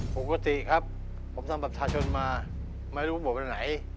ผมก็ตีครับผมสำหรับประชาชนมาไม่รู้บ่อยเป็นไหน